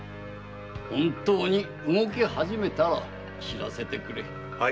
本当に動き始めたら報せてくれ。